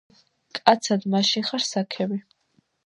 კაცად მაშინ ხარ საქები